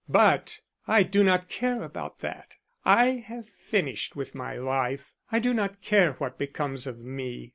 But I do not care about that. I have finished with my life; I do not care what becomes of me.